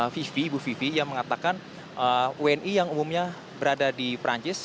vivi ibu vivi yang mengatakan wni yang umumnya berada di perancis